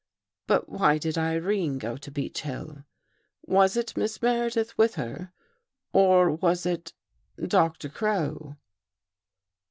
But why did ' Irene go to Beech Hill? Was it Miss Meredith | with her? Or was it — Doctor Crow?"